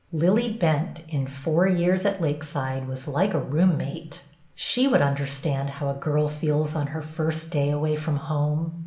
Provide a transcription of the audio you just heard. Lillie Bent in " Four Years at Lakeside " was like a roommate ; she would understand how a girl feels on her first day away from home.